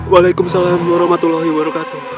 waalaikumsalam warahmatullahi wabarakatuh